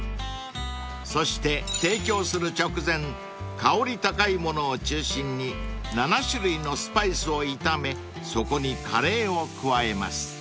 ［そして提供する直前香り高いものを中心に７種類のスパイスを炒めそこにカレーを加えます］